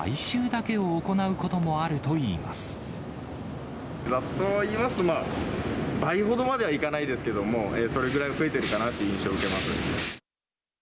ざっといいますと、倍ほどまではいかないですけども、それぐらい増えてるかなという印象を受けます。